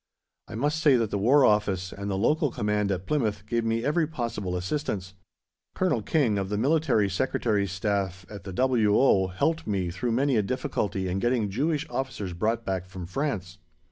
I must say that the War Office, and the local command at Plymouth, gave me every possible assistance. Colonel King, of the Military Secretary's Staff at the W.O., helped me through many a difficulty in getting Jewish officers brought back from France.